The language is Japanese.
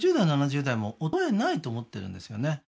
６０代７０代も衰えないと思ってるんですよね